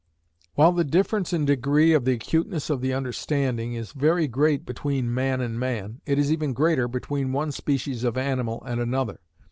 While the difference in degree of the acuteness of the understanding, is very great between man and man, it is even greater between one species of animal and another.